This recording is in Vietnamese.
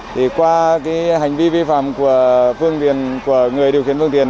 thì qua hành vi vi phạm của phương viện của người điều khiển phương tiện